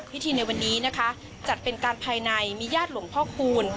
ในวันนี้นะคะจัดเป็นการภายในมีญาติหลวงพ่อคูณ